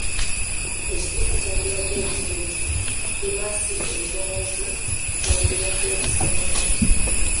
Ekituufu kyandibadde nti buli Ddimansi enjala zo wandibadde ozisalako.